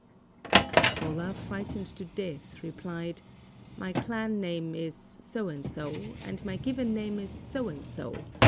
The scholar, frightened to death, replied, "My clan name is So and so, and my given name is So and so.